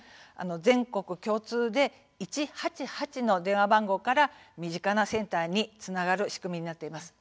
全国共通で「１８８」の電話番号から身近なセンターにつながる仕組みになっています。